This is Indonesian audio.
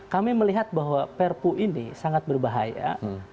kami melihat bahwa perpu ini sangat berbahaya